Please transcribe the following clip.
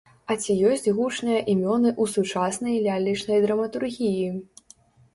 А ці ёсць гучныя імёны ў сучаснай лялечнай драматургіі?